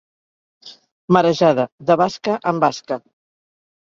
Marejada, de basca en basca.